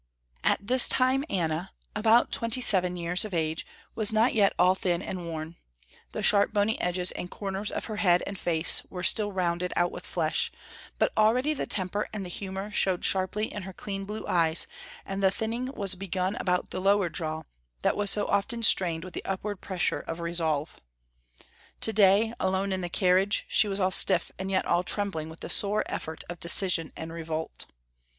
At this time Anna, about twenty seven years of age, was not yet all thin and worn. The sharp bony edges and corners of her head and face were still rounded out with flesh, but already the temper and the humor showed sharply in her clean blue eyes, and the thinning was begun about the lower jaw, that was so often strained with the upward pressure of resolve. To day, alone there in the carriage, she was all stiff and yet all trembling with the sore effort of decision and revolt.